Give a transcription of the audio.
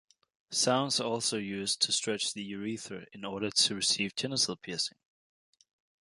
Sounds are also used to stretch the urethra in order to receive genital piercing.